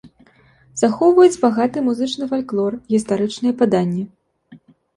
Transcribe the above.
Захоўваюць багаты музычны фальклор, гістарычныя паданні.